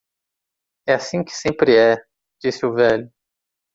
"É assim que sempre é?" disse o velho.